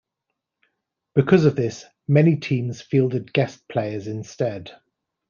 Because of this many teams fielded guest players instead.